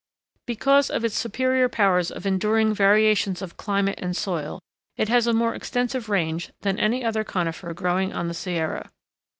Because of its superior powers of enduring variations of climate and soil, it has a more extensive range than any other conifer growing on the Sierra.